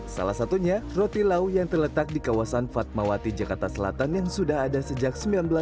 salah satunya roti lau yang terletak di kawasan fatmawati jakarta selatan yang sudah ada sejak seribu sembilan ratus sembilan puluh